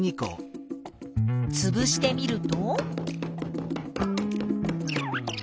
つぶしてみると？